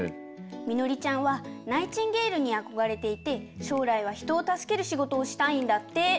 みのりちゃんはナイチンゲールにあこがれていてしょうらいはひとをたすけるしごとをしたいんだって。